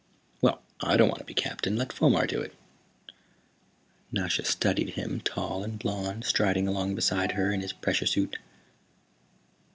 "Well, I don't want to be captain. Let Fomar do it." Nasha studied him, tall and blond, striding along beside her in his pressure suit.